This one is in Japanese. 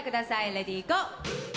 レディーゴー！